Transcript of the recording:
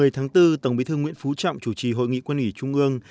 một mươi tháng bốn tổng bí thư nguyễn phú trọng chủ trì hội nghị quân ủy trung ương